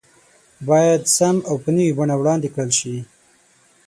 بايد سم او په نوي بڼه وړاندې کړل شي